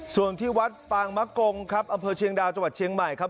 ส่วนที่วัดปางมะกงครับอำเภอเชียงดาวจังหวัดเชียงใหม่ครับ